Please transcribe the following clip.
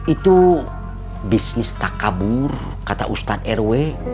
itu bisnis takabur kata ustadz rw